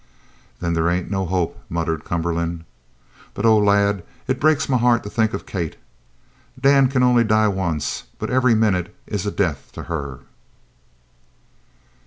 "Then there ain't no hope," muttered Cumberland. "But oh, lad, it breaks my heart to think of Kate! Dan c'n only die once, but every minute is a death to her!"